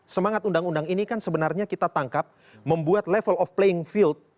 semangat undang undang ini kan sebenarnya kita tangkap membuat level of playing field